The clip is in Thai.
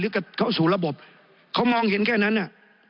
กับเข้าสู่ระบบเขามองเห็นแค่นั้นน่ะ